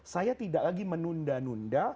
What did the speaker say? saya tidak lagi menunda nunda